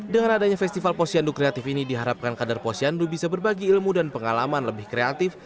dengan adanya festival posyandu kreatif ini diharapkan kader posyandu bisa berbagi ilmu dan pengalaman lebih kreatif